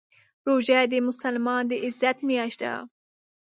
روژه د مسلمان د عزت میاشت ده.